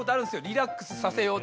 リラックスさせよう。